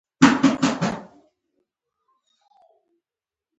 تر څو پورې به د همدغه ترکیب په قالب کې تجربې کېږي.